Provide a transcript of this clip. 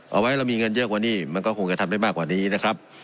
เอาไว้เรามีเงินเยอะกว่านี้มันก็คงจะทำได้มากกว่านี้นะครับ